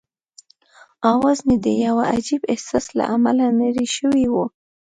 اواز مې د یوه عجيبه احساس له امله نری شوی وو.